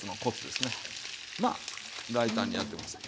まあ大胆にやって下さい。